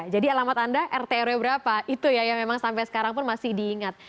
jadi alamat anda rtro berapa itu ya yang memang sampai sekarang pun masih diingat